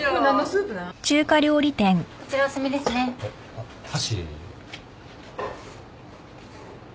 あっ箸。